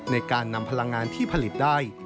ในการนำพลังงานที่ผลิตได้